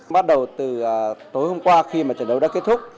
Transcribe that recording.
bắt đầu từ tối hôm qua khi mà trận đấu đã kết thúc